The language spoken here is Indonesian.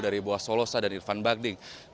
dengan pilihan dari irfan bagding dan solosa